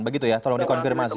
begitu ya tolong dikonfirmasi